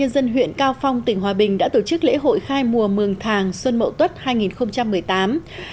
dân huyện cao phong tỉnh hòa bình đã tổ chức lễ hội khai mùa mường thàng xuân mậu tuất hai nghìn một mươi tám